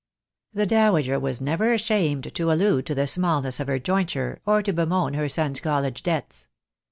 The dowager was never ashamed to allude to the smallness of her jointure or to bemoan her son's college debts.